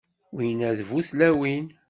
Winna d bu tlawin.